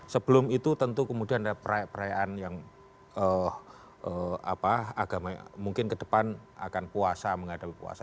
sebelum itu tentu kemudian ada perayaan yang agama mungkin ke depan akan puasa menghadapi puasa